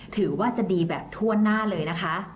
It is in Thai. ถือว่าจะดีแบบทั่วหน้าเลยนะคะ